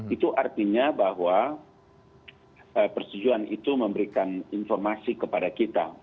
itu artinya bahwa persetujuan itu memberikan informasi kepada kita